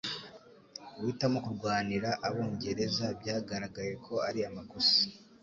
Guhitamo kurwanira abongereza byagaragaye ko ari amakosa